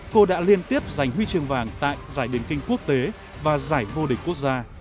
cô đã liên tiếp giành huy chương vàng tại giải điền kinh quốc tế và giải vô địch quốc gia